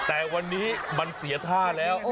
แต่วันนี้มันเสียท่าแล้ว